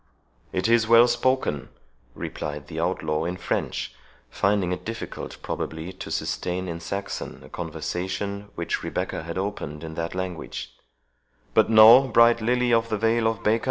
"It is well spoken," replied the outlaw in French, finding it difficult probably to sustain, in Saxon, a conversation which Rebecca had opened in that language; "but know, bright lily of the vale of Baca!